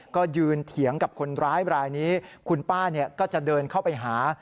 ก็ยืนเถียงกับคนร้ายรายนี้คุณป้าก็จะเดินเข้าไปหา